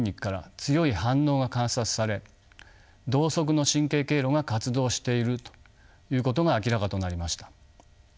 強い反応が観察され同側の神経経路が活動しているということが明らかとなりました。